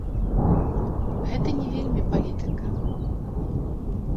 Гэта не вельмі палітыка.